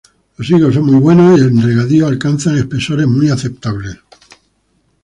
Los higos son muy buenos, y en regadío alcanzan espesores muy aceptables.